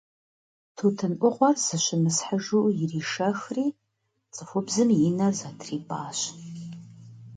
Тутын ӏугъуэр зыщымысхьыжу иришэхри, цӏыхубзым и нэр зэтрипӏащ.